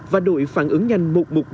và đội phản ứng nhanh một trăm một mươi ba